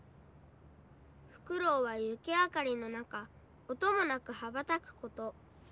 フクロウは雪明かりの中音もなく羽ばたくこと。